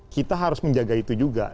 kita harus menjaga itu juga